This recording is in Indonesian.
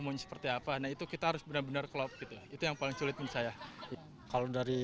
mau seperti apa nah itu kita harus benar benar klop gitu itu yang paling sulit menurut saya kalau dari